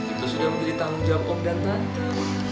itu sudah menjadi tanggung jawab om dan tante